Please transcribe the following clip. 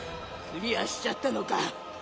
クリアしちゃったのか！